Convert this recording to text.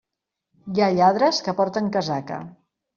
Hi ha lladres que porten casaca.